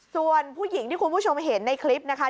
ส่วนผู้หญิงที่คุณผู้ชมเห็นในคลิปนะคะ